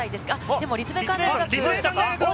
でも立命館大学が。